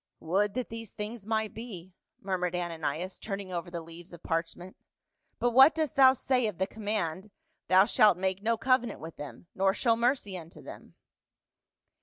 "Would that these things might be," murmured Ananias, turning over the leaves of parchment. " But what dost thou say of the command. Thou shalt make no covenant with them, nor show mercy unto them?"